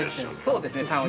◆そうですね。